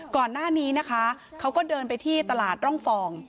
ก่อนหน้านี้นะคะเขาก็เดินไปที่ตลาดร่องฟอง